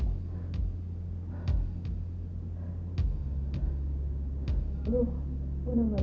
nisa ingin tidur di sini sama ibu